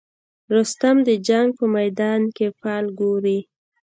رستم د جنګ په میدان کې فال ګوري.